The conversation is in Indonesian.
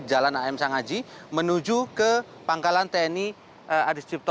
jalan am sanghaji menuju ke pangkalan tni adisjipto